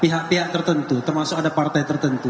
pihak pihak tertentu termasuk ada partai tertentu